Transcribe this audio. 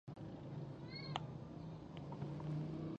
انګور د افغان ځوانانو لپاره دلچسپي لري.